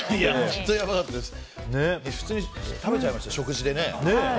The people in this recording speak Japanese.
普通に食べちゃいました食事で。